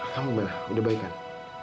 kamu benar udah baik kan